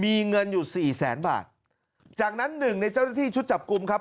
มีเงินอยู่สี่แสนบาทจากนั้นหนึ่งในเจ้าหน้าที่ชุดจับกลุ่มครับ